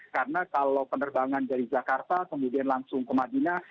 karena kalau penerbangan dari jakarta kemudian langsung ke madinah